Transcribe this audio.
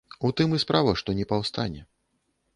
У тым і справа, што не паўстане.